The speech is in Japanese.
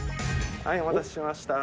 お待たせしました。